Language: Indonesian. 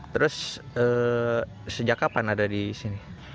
terus sejak kapan ada disini